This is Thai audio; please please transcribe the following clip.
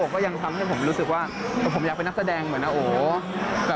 ก็ยังทำให้ผมรู้สึกว่าผมอยากเป็นนักแสดงเหมือนนะโอ